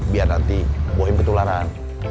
biar nanti bohim ketularan